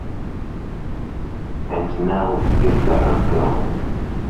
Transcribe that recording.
And now you’d better go!